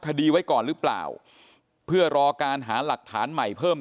คดีไว้ก่อนหรือเปล่าเพื่อรอการหาหลักฐานใหม่เพิ่ม